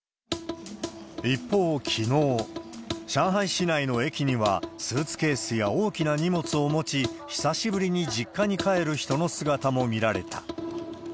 一方きのう、上海市内の駅には、スーツケースや大きな荷物を持ち、久しぶりに実家に帰る人も見られた。